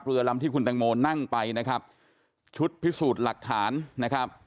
เรือลำที่คุณตังโมนั่งไปนะครับชุดพิสูจน์หลักฐานนะครับ